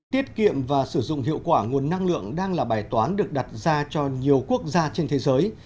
tiết kiệm và sử dụng hiệu quả nguồn năng lượng đang là bài toán được đặt ra cho nhiều quốc gia trên thế giới